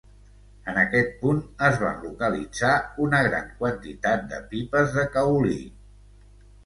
En aquest punt es van localitzar una gran quantitat de pipes de caolí.